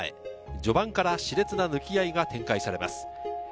序盤から熾烈な抜き合いが展開されます。